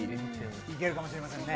いけるかもしれませんね。